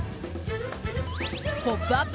「ポップＵＰ！」